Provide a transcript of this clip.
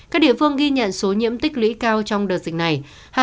các địa phương ghi nhận số nhiễm tích lũy cao trong đợt dịch này